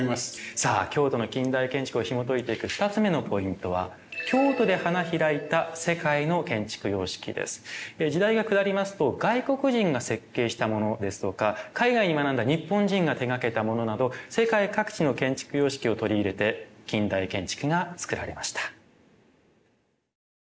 さあ京都の近代建築をひもといていく２つ目のポイントは時代が下りますと外国人が設計したものですとか海外に学んだ日本人が手がけたものなど世界各地の建築様式を取り入れて近代建築が造られました。